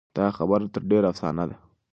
دا خبره تر ډېره افسانه ده.